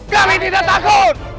kami tidak takut